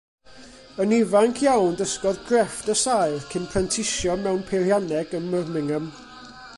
Yn ifanc iawn dysgodd grefft y saer, cyn prentisio mewn peirianneg ym Mirmingham.